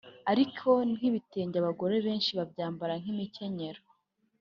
Ariko nk'ibitenge abagore benshi babyambara nk'imikenyero